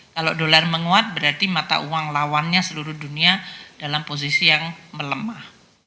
kalau dolar menguat berarti mata uang lawannya seluruh dunia dalam posisi yang melemah